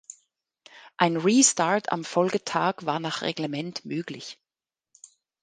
Ein Restart am Folgetag war nach Reglement möglich.